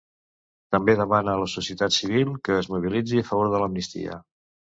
També demana a la societat civil que es mobilitzi a favor de l’amnistia.